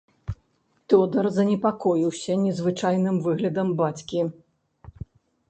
Тодар занепакоіўся незвычайным выглядам бацькі.